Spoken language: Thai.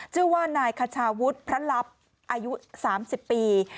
ชื่อว่านายคชาวุฒิพระลับอายุ๓๐ปี